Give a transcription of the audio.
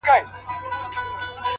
په ځان وهلو باندې خپل غزل ته رنگ ورکوي؛